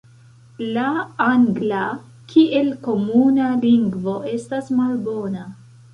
La angla kiel komuna lingvo estas malbona.